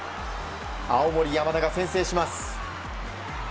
青森山田が先制します。